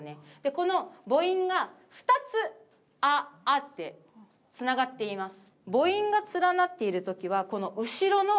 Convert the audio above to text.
この母音が２つ「ああ」ってつながっています。